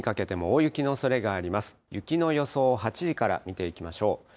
雪の予想を８時から見ていきましょう。